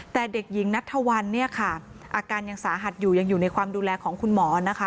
แต่เด็กหญิงนัทธวัลเนี่ยค่ะอาการยังสาหัสอยู่ยังอยู่ในความดูแลของคุณหมอนะคะ